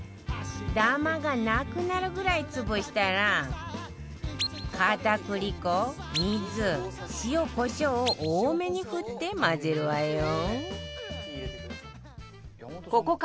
ダマがなくなるぐらい潰したら片栗粉水塩コショウを多めに振って混ぜるわよ